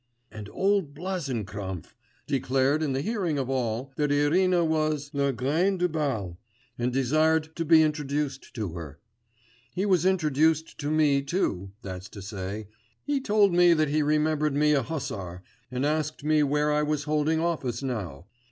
And old Blazenkrampf declared in the hearing of all, that Irina was la reine du bal, and desired to be introduced to her; he was introduced to me too, that's to say, he told me that he remembered me a hussar, and asked me where I was holding office now.